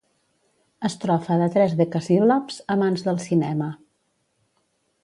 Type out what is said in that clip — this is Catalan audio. Estrofa de tres decasíl·labs amants del cinema.